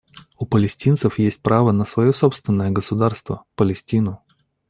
У палестинцев есть право на свое собственное государство — Палестину.